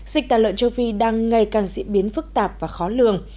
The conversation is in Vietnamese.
dịch tà lợn châu phi đang ngày càng diễn biến phức tạp và khó lường